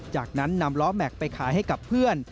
จากนั้นนำล้อแม็กซ์ไปขายให้กับเพื่อน